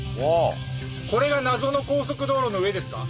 これが謎の高速道路の上ですか？